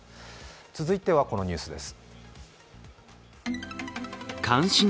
続いてはこのニュースです。